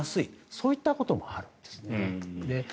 そういったこともあるんですね。